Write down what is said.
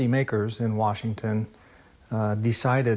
มันมามาสงครามมาก